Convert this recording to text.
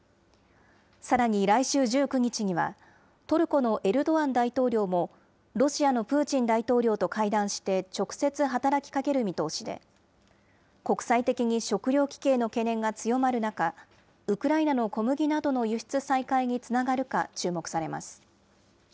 さらに来週１９日には、トルコのエルドアン大統領も、ロシアのプーチン大統領と会談して直接働きかける見通しで、国際的に食料危機への懸念が強まる中、ウクライナの小麦などの輸出再開につながるか、注目されます。